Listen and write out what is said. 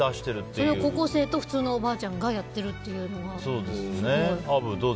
それを高校生と普通のおばあちゃんがやっているのがすごい。